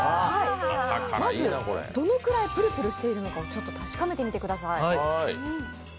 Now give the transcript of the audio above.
まず、どのくらいプルプルしているのかを確かめてみてください。